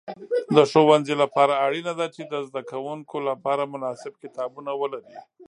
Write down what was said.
د ښوونځي لپاره اړینه ده چې د زده کوونکو لپاره مناسب کتابونه ولري.